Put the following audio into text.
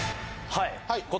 はい。